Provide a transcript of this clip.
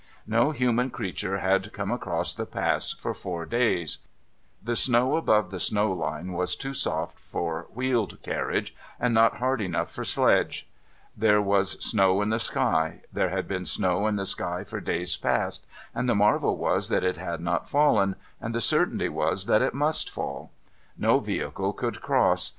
No human creature had come across the Pass for four days. The snow above ASCENDING THE SIMPLON 547 the snow line was too soft for wheeled carriage, and not hard enough for sledge. There was snow in the sky. There had been snow in the sky for days past, and the marvel was that it had not fallen, and the certainty was that it must fall. No vehicle could cross.